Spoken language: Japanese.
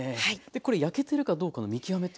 これ焼けてるかどうかの見極めというのは？